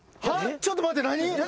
ちょっと待って何？